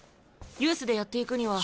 ユースでやっていくには。